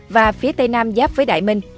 và phía tây nam giáp vương tây